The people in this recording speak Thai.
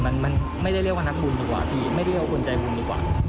มันไม่ได้เรียกว่านักบุญดีกว่าพี่ไม่ได้เรียกว่าคนใจบุญดีกว่า